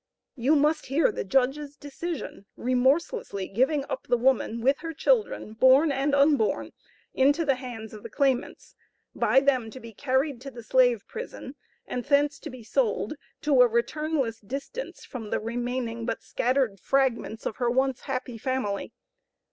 You must hear the judge's decision, remorselessly giving up the woman with her children born and unborn, into the hands of their claimants by them to be carried to the slave prison, and thence to be sold to a returnless distance from the remaining but scattered fragments of her once happy family.